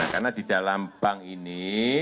karena di dalam bank ini